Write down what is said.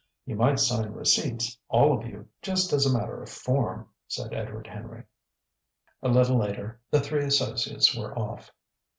"You might sign receipts, all of you, just as a matter of form," said Edward Henry. A little later, the three associates were off.